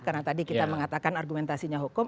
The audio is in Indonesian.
karena tadi kita mengatakan argumentasinya hukum